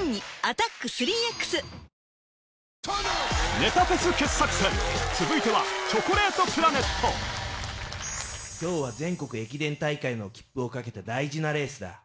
ネタフェス傑作選、続いては、きょうは全国駅伝大会の切符をかけた大事なレースだ。